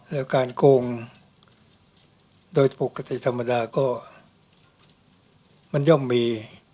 แล้วการโกงโดยปกติธรรมดาก็มันย่อมมี